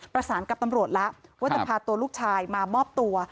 ประสานกับตำรวจแล้วว่าจะพาตัวลูกชายมามอบตัว